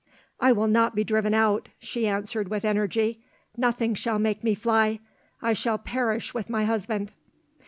"I will not be driven out," she answered with energy; "nothing shall make me fly. I will perish with my husband."